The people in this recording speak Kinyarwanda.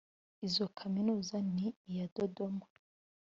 Izo kaminuza ni iya Dodoma